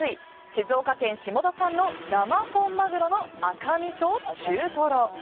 静岡県下田産の生本マグロの赤身と中トロ。